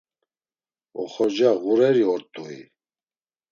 Oxorca ğureri ort̆ui?